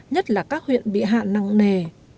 nhất là các huyện bị hạn năng nề